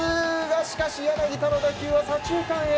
しかし柳田の打球は左中間へ。